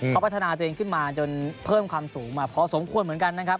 เขาพัฒนาตัวเองขึ้นมาจนเพิ่มความสูงมาพอสมควรเหมือนกันนะครับ